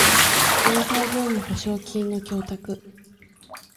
弁済業務保証金の供託